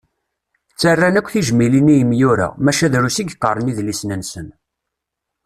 Ttarran akk tijmilin i imyura, maca drus i yeqqaren idlisen-nsen.